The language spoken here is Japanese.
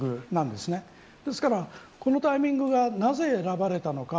ですから、このタイミングがなぜ選ばれたのか。